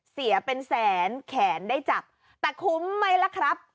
เสียเป็นแสนแขนได้จับแต่คุ้มไหมล่ะครับ